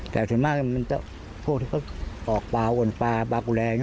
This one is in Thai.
แต่ส่วนมากมันจะพวกที่เขาออกปลาวนปลาปลากุแรง